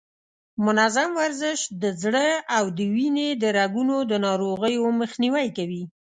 منظم ورزش د زړه او د وینې د رګونو د ناروغیو مخنیوی کوي.